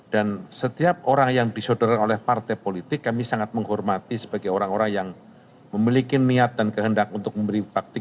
dan setiap orang yang disodera oleh partai politik kami sangat menghormati sebagai orang orang yang memiliki niat dan kehendak untuk memberi faktik